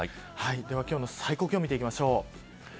では、今日の最高気温、見ていきましょう。